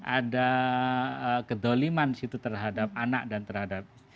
ada kedoliman disitu terhadap anak dan terhadap